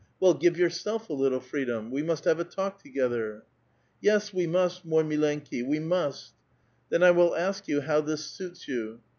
Well, give yourself a little freedom ; we must have a talk together." *' Yes, we must, mot milenki^ we must." " Then I will ask you how this suits you.